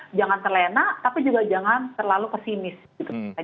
jadi kita jangan terlena tapi juga jangan terlalu pesimis gitu